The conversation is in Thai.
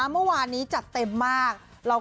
เมื่อวานนี้จัดเต็มมาก